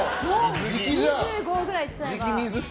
２５度くらいいっちゃえば。